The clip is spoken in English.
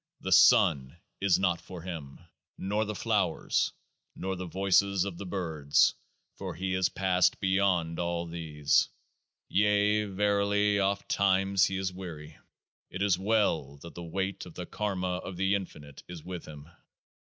The sun is not for him, nor the flowers, nor the voices of the birds ; for he is past beyond all these. Yea, verily, oft times he is weary ; it is well that the weight of the Karma of the Infinite is with him.